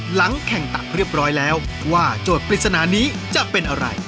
หลังแข่งตักเรียบร้อยแล้วว่าโจทย์ปริศนานี้จะเป็นอะไร